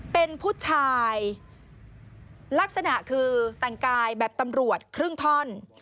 เป็นผู้ชายลักษณะคือแต่งกายแบบตำรวจครึ่งท่อน